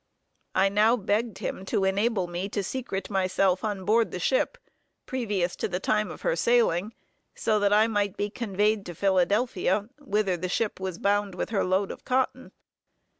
I now begged him to enable me to secrete myself on board the ship, previous to the time of her sailing, so that I might be conveyed to Philadelphia, whither the ship was bound with her load of cotton.